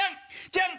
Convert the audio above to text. ジャン！